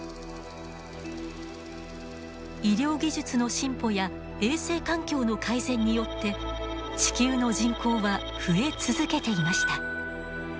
医療技術の進歩や衛生環境の改善によって地球の人口は増え続けていました。